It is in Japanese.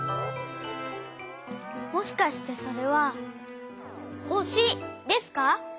もしかしてそれはほしですか？